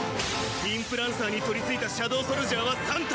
インプランサーに取りついたシャドウソルジャーは３体。